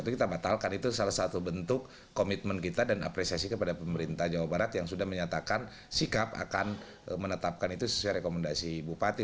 kita batalkan itu salah satu bentuk komitmen kita dan apresiasi kepada pemerintah jawa barat yang sudah menyatakan sikap akan menetapkan itu sesuai rekomendasi bupati